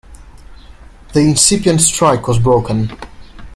The incipient strike was broken.